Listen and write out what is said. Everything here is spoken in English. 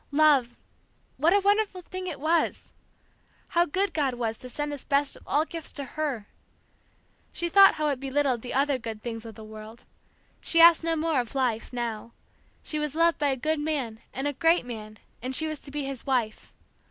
Love what a wonderful thing it was! How good God was to send this best of all gifts to her! She thought how it belittled the other good things of the world. She asked no more of life, now; she was loved by a good man, and a great man, and she was to be his wife.